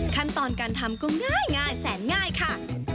ขั้นตอนการทำก็ง่ายแสนง่ายค่ะ